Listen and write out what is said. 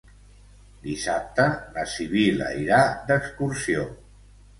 Dissabte na Sibil·la irà d'excursió.